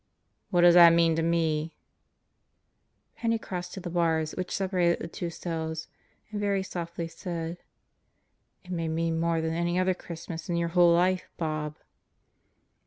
"What does that mean to me?" Penney crossed to the bars which separated the two cells and very softly said, "It may mean more than any other Christmas in your whole life, Bob."